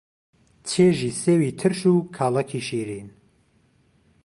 چێژی سێوی ترش و کاڵەکی شیرین